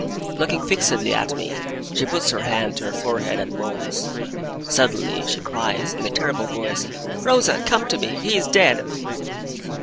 Looking fixedly at me, she puts her hand to her forehead, and moans. Suddenly, she cries, in a terrible voice, 'Rosa, come to me. He is dead!